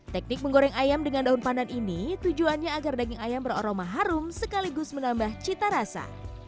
teknik menggoreng ayam dengan daun pandan ini tujuannya agar daging ayam beraroma harum sekaligus menambah cita rasa